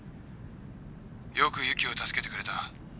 よく由岐を助けてくれた。